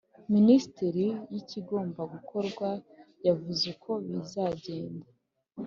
Minisiteri y ikigomba gukorwa yavuze uko bizagenda